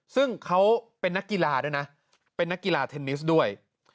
ซึ่งเขาเป็นนักกีฬาด้วยนะเป็นนักกีฬาเทนนิสด้วย